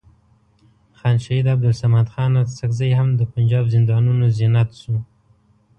خان شهید عبدالصمد خان اڅکزی هم د پنجاب زندانونو زینت شو.